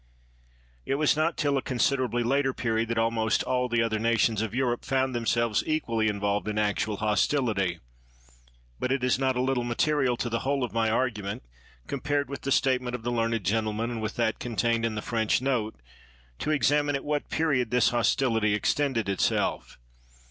It was not till a considerably later period that almost all the other nations of Europe found themselves equally involved in actual hostility; but it is not a little material to the whole of my argument, compared with the statement of the learned gentleman and with that contained in the French note, to examine at what period this hostility extended itself.